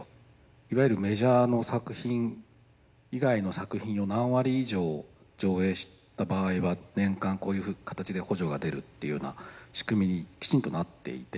いわゆるメジャーの作品以外の作品を何割以上上映した場合は年間こういう形で補助が出るっていうような仕組みにきちんとなっていて。